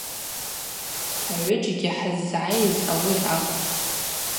Хӏгӏвыджьгьи хӏыззгӏайыз ауи акӏвпӏ.